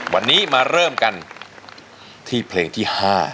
วันนี้มาเริ่มกันที่เพลงที่๕